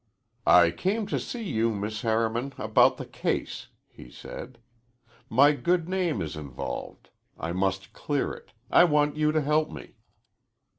"I came to see you, Miss Harriman, about the case," he said. "My good name is involved. I must clear it. I want you to help me."